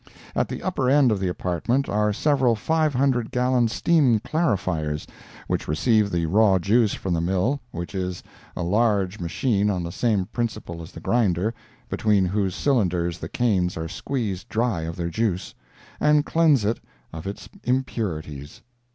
At the upper end of the apartment are several 500 gallon steam clarifiers, which receive the raw juice from the mill (which is a large machine on the same principle as the grinder, between whose cylinders the canes are squeezed dry of their juice) and cleanse it of its impurities.